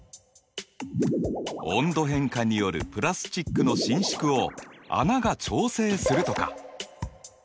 温度変化によるプラスチックの伸縮を穴が調整するとか？